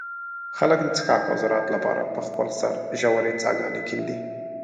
خلک د څښاک او زراعت له پاره په خپل سر ژوې څاګانې کندي.